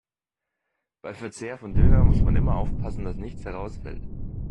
Beim Verzehr von Döner muss man immer aufpassen, dass nichts herausfällt.